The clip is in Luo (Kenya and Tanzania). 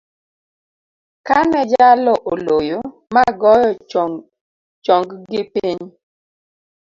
Kane jalo oloyo, magoyo chonggi piny.